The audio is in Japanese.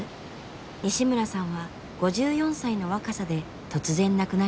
西村さんは５４歳の若さで突然亡くなりました。